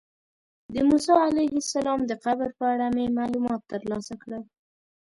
د موسی علیه السلام د قبر په اړه مې معلومات ترلاسه کړل.